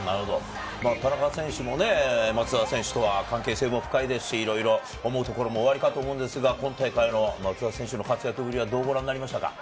田中選手も松田選手とは関係性も深いですし、いろいろ思うところもあると思いますが、松田選手の活躍はどうご覧になりましたか？